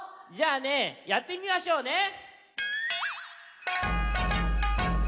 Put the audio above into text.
じゃあねやってみましょうね。